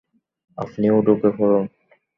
আপনিও ঢুকে পড়ুন।